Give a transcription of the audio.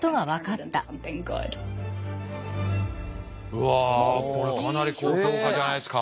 うわこれかなり高評価じゃないですか。